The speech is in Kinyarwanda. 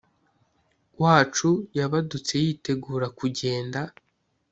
wacu yabadutse yitegura kujyenda